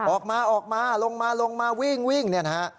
ออกมาออกมาลงมาลงมาวิ่งนะฮะ